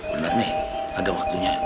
bener nih ada waktunya